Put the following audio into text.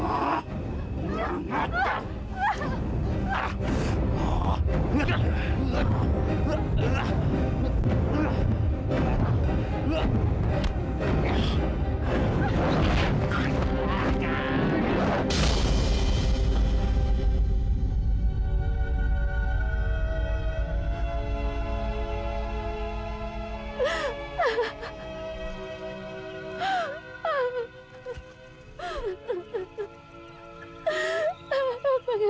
apa yang ada makannya